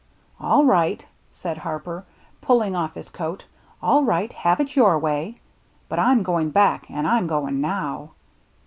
"All right," said Harper, pulling off his coat, "all right. Have it your way. But I'm goin' back, an' I'm goin' now."